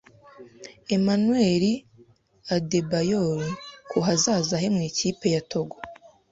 Emmanuel Adebayor ku hazaza he mu ikipe ya Togo